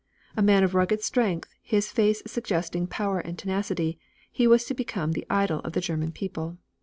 A man of rugged strength, his face suggesting power and tenacity, he was to become the idol of the German people.